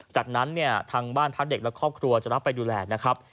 จากนั้นเนี่ยทางบ้านพักเด็กและครอบครัวจะรับไปดูแลนะครับ